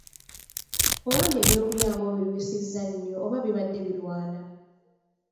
Owange eby’okulya nga obirwisizza nnyo oba bibadde birwana?